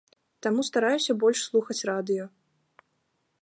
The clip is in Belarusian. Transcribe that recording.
Таму стараюся больш слухаць радыё.